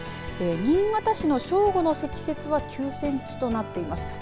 新潟市の正午の積雪は９センチとなっています。